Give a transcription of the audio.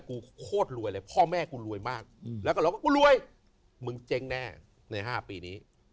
กูโคตรรวยเลยพ่อแม่กูรวยมากแล้วก็ร้องว่ากูรวยมึงเจ๊งแน่ใน๕ปีนี้